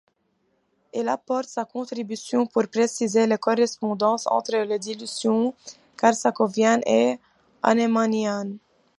Il apporte sa contribution pour préciser les correspondances entre les dilutions korsakoviennes et hahnemanniennes.